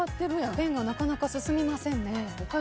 ペンがなかなか進みませんね。